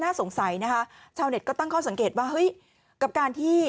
สงสัยนะคะชาวเน็ตก็ตั้งข้อสังเกตว่าเฮ้ยกับการที่